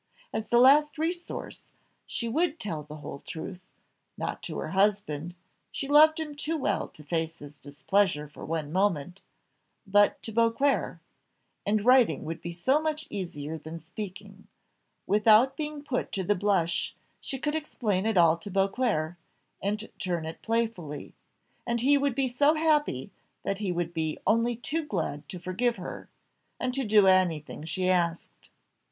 As the last resource, she would tell the whole truth not to her husband, she loved him too well to face his displeasure for one moment but to Beauclerc; and writing would be so much easier than speaking without being put to the blush she could explain it all to Beauclerc, and turn it playfully; and he would be so happy that he would be only too glad to forgive her, and to do anything she asked.